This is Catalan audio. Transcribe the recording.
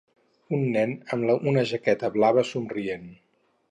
Un nen amb una jaqueta blava somrient.